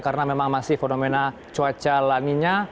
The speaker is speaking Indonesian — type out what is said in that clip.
karena memang masih fenomena cuaca langinya